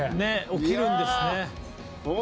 起きるんですね。